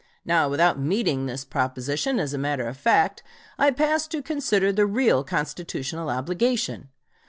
Now, without meeting this proposition as a matter of fact, I pass to consider the real constitutional obligation.